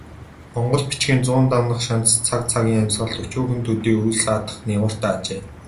Монгол бичгийн зуун дамнах шандас цаг цагийн амьсгалд өчүүхэн төдий үл саатах нигууртай ажээ.